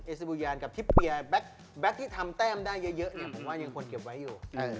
ซูบูยานกับทิปเปียร์แบ็คที่ทำแต้มได้เยอะเนี่ยผมว่ายังควรเก็บไว้อยู่